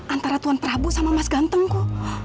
antara tuan prabu sama mas gantengku